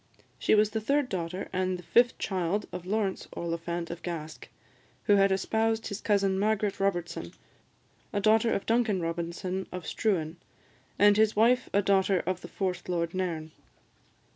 She was the third daughter and fifth child of Laurence Oliphant of Gask, who had espoused his cousin Margaret Robertson, a daughter of Duncan Robertson of Struan, and his wife a daughter of the fourth Lord Nairn.